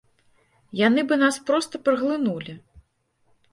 Яны бы нас проста праглынулі.